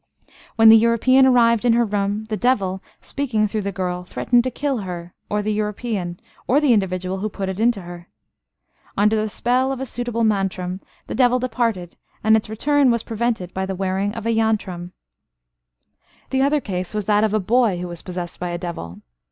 When the European arrived in her room, the devil, speaking through the girl, threatened to kill her, or the European, or the individual who put it into her. Under the spell of a suitable mantram, the devil departed, and its return was prevented by the wearing of a yantram. The other case was that of a boy, who was possessed by a devil.